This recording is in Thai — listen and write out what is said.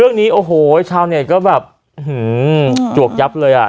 เรื่องนี้โอ้โหชาวเน็ตก็แบบจวกยับเลยอ่ะ